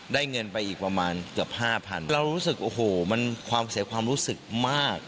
เงินไปอีกประมาณเกือบห้าพันเรารู้สึกโอ้โหมันความเสียความรู้สึกมาก